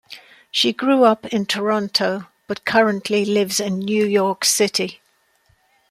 She grew up in Toronto but currently lives in New York City.